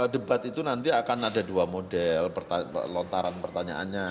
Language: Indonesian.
debat itu nanti akan ada dua model lontaran pertanyaannya